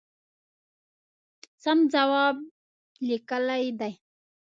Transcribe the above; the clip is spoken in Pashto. سم جواب لیکلی دی.